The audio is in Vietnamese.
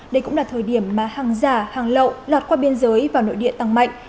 đây cũng là thời điểm mà hàng giả hàng lậu lọt qua biên giới vào nội địa tăng mạnh